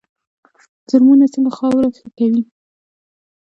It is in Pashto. کرمونه څنګه خاوره ښه کوي؟